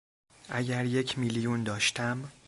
اگر یک میلیون داشتم